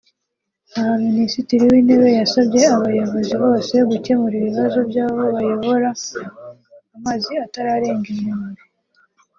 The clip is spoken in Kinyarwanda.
Aha Minisitiri w’Intebe yasabye abayobozi bose gukemura ibibazo by’abo bayobora amazi atararenga inkombe